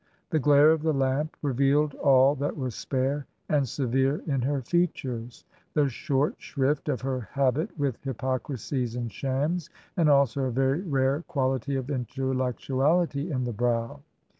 The glare of the lamp revealed all that was spare and severe in her features — the short shrift of her habit with hypocrisies and shams — and also a very rare quality of intellectuality in the brow.